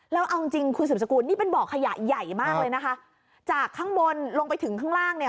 แล้วเอาจริงจริงคุณสุดสกุลนี่เป็นบ่อขยะใหญ่มากเลยนะคะจากข้างบนลงไปถึงข้างล่างเนี่ย